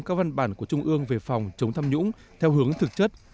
các văn bản của trung ương về phòng chống tham nhũng theo hướng thực chất